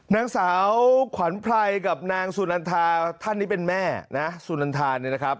นางสาวขวัญไพรกับนางสุนันทาท่านนี้เป็นแม่นะสุนันทาเนี่ยนะครับ